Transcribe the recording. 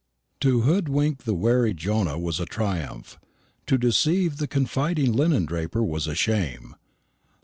To hoodwink the wary Jonah was a triumph to deceive the confiding linen draper was a shame.